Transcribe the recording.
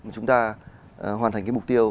chúng ta hoàn thành cái mục tiêu